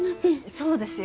そうですよ。